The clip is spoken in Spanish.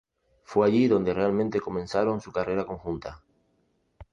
Fue allí donde realmente comenzaron su carrera conjunta.